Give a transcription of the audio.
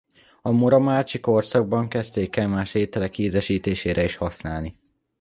A Muromacsi-korszakban kezdték el más ételek ízesítésére is használni.